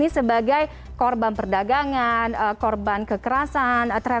saya ke pak jasra